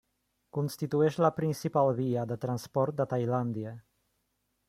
Constitueix la principal via de transport de Tailàndia.